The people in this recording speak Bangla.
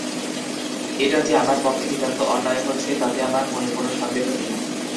এটা যে আমার পক্ষে নিতান্ত অন্যায় হচ্ছে তাতে আমার মনে কোনো সন্দেহ নেই।